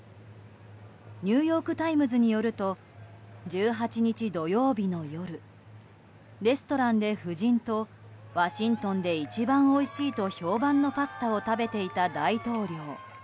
ニューヨーク・タイムズによると１８日土曜日の夜レストランで、夫人とワシントンで一番おいしいと評判のパスタを食べていた大統領。